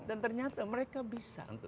dan ternyata mereka bisa